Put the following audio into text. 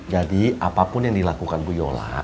jadi apapun yang dilakukan bu yola